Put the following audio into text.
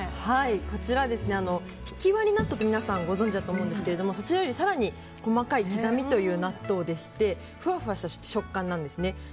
こちら、ひきわり納豆って皆さんご存じだと思うんですがそっちより更に細かいきざみという納豆でしてふわふわした食感なんですね。